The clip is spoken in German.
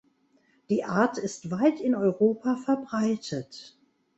Die Art ist weit in Europa verbreitet.